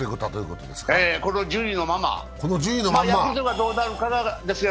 この順位のまま、ヤクルトがどうなるかですよ。